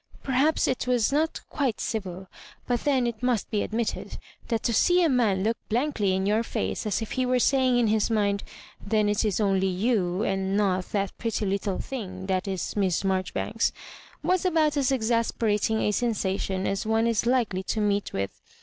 Perhaps it was not quite civil ; but then It must be admitted, that to see a man look blankly in your &ce as if he were saying in his mind, " Then it is only yoUy and not that pretty little thing, that is Miss Marjoribanks !" was about as exas perating a sensation as one is likely to meet with.